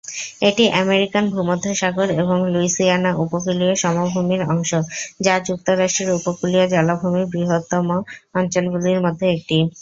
এটি আমেরিকান ভূমধ্যসাগর এবং লুইসিয়ানা উপকূলীয় সমভূমির অংশ, যা যুক্তরাষ্ট্রের উপকূলীয় জলাভূমির বৃহত্তম অঞ্চলগুলির মধ্যে একটি।